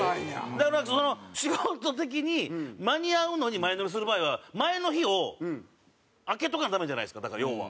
だから仕事的に間に合うのに前乗りする場合は前の日を空けておかないとダメじゃないですかだから要は。